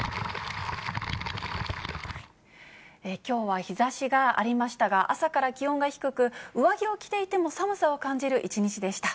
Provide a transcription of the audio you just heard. きょうは日ざしがありましたが、朝から気温が低く、上着を着ていても寒さを感じる一日でした。